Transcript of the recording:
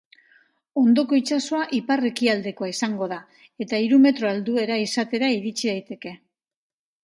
Hondoko itsasoa ipar-ekialdekoa izango da, eta hiru metroko altuera izatera iritsi daiteke.